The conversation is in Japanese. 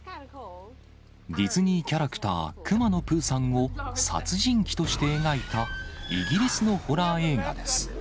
ディズニーキャラクター、くまのプーさんを殺人鬼として描いた、イギリスのホラー映画です。